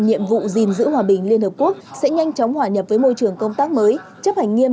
nhiệm vụ gìn giữ hòa bình liên hợp quốc sẽ nhanh chóng hòa nhập với môi trường công tác mới chấp hành nghiêm